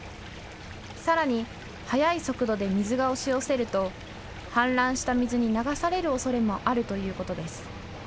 さらに速い速度で水が押し寄せると氾濫した水に流されるおそれもあるということです。